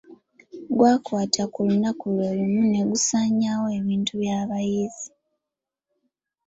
Gwakwata ku lunaku lwe lumu ne gusaanyaawo ebintu by'abayizi.